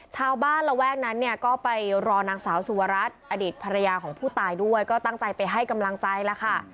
ชาวบ้านระแวกนั้นเนี่ยก็ไปรอนางสาวสุวรัตน์อดีตภรรยาของผู้ตายด้วยก็ตั้งใจไปให้กำลังใจแล้วค่ะ